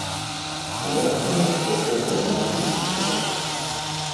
А як, на ваш погляд, яна раней уплывала?